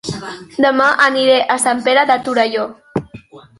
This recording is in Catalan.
Dema aniré a Sant Pere de Torelló